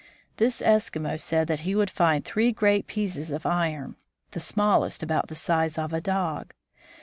This Eskimo said that he would find three great pieces of iron, the smallest about the size of a dog.